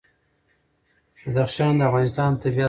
بدخشان د افغانستان د طبیعت برخه ده.